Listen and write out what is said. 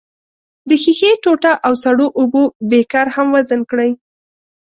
د ښيښې ټوټه او سړو اوبو بیکر هم وزن کړئ.